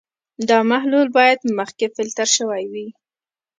دا محلول باید مخکې فلټر شوی وي.